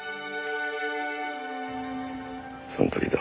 その時だ。